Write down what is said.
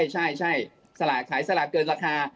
ใช่สลากขายสลากเกินราคา